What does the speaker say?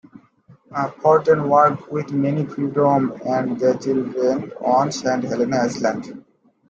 Forten worked with many freedmen and their children on Saint Helena Island.